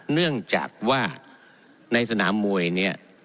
เนื่องจากว่าในสนามมวยเนี่ย